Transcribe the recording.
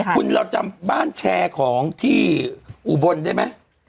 คุณเราจำบ้านแชร์ของที่อุบลได้ไหม